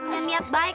yang niat baik